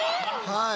はい。